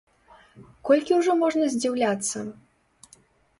Колькі ўжо можна здзіўляцца?